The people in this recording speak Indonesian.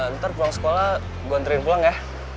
ntar pulang sekolah gue anterin pulang ya